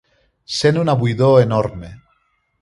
Sent una buidor enorme.